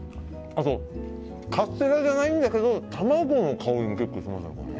あと、カステラじゃないんだけど卵の香りも結構しますね。